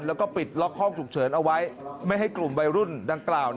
แล้วก็ปิดล็อกห้องฉุกเฉินเอาไว้ไม่ให้กลุ่มวัยรุ่นดังกล่าว